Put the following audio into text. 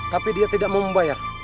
tapi dia tidak mau membayar